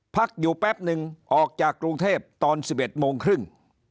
พักอยู่แป๊บนึงออกจากกรุงเทพตอน๑๑โมงครึ่ง